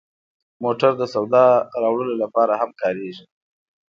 موټر د سودا راوړلو لپاره هم کارېږي.